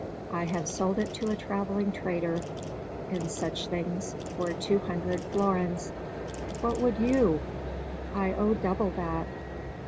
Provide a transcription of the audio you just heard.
"I have sold it to a travelling trader in such things for two hundred florins. What would you? I owe double that.